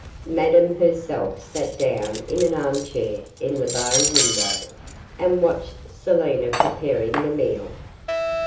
Madame herself sat down in an arm chair in the bow window, and watched Selina preparing the meal.